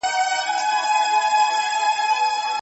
کمپيوټر د ټيم کار تنظيموي.